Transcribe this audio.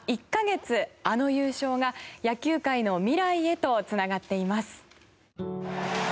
あの優勝が野球界の未来へとつながっています。